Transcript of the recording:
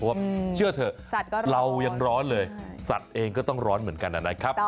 ว่าเชื่อเถอะเรายังร้อนเลยสัตว์เองก็ต้องร้อนเหมือนกันนะครับ